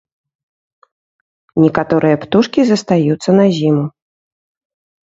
Некаторыя птушкі застаюцца на зіму.